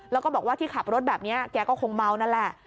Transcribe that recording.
แล้วก็บอกว่าที่ขับรถแบบนี้แกก็คงเมานั่นแหละ